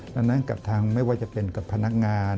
ดังนั้นกับทางไม่ว่าจะเป็นกับพนักงาน